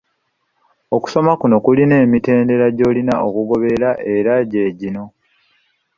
Okusoma kuno kulina emitendera gy’olina okugoberera era gye gino.